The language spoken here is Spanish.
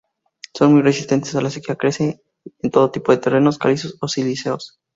Son muy resistentes a la sequía. Crece en todo tipo de terrenos, calizos o silíceos.